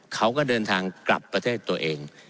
เขาก็เดินทางกลับประเทศตัวเอง